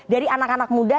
dari anak anak muda